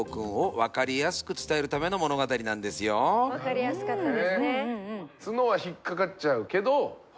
分かりやすかったですね。